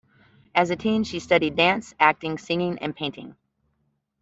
As a teen, she studied dance, acting, singing, and painting.